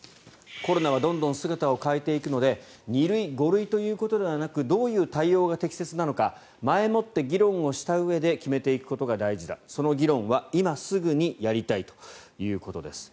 コロナはどんどん姿を変えていくので２類、５類ということではなくどういう対応が適切なのか前もって議論をしたうえで決めていくことが大事だその議論は今すぐにやりたいということです。